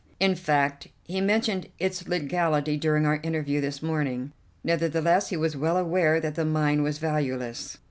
In fact he mentioned its legality during our interview this morning. Nevertheless, he was well aware that the mine was valueless."